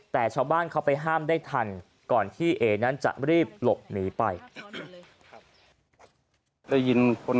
แต่ชาวบ้านเขาไปห้ามได้ทันก่อนที่เอนั้นจะรีบหลบหนีไป